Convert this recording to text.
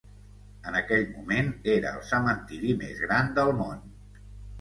En aquell moment era el cementiri més gran del món.